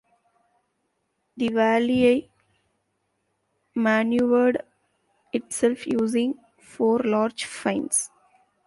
The Walleye maneuvered itself using four large fins.